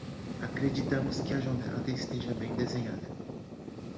Acreditamos que a jornada esteja bem desenhada